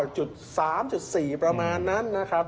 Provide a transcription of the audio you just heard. ใช่๒๙๓๒๙๔ประมาณนั้นนะครับ